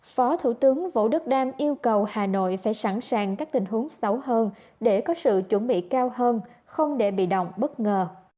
phó thủ tướng vũ đức đam yêu cầu hà nội phải sẵn sàng các tình huống xấu hơn để có sự chuẩn bị cao hơn không để bị động bất ngờ